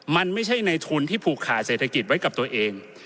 มันไม่ใช่ในทุนที่ผูกขาดเศรษฐกิจไว้กับตัวเอง